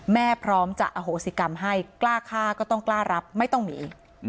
พร้อมจะอโหสิกรรมให้กล้าฆ่าก็ต้องกล้ารับไม่ต้องหนี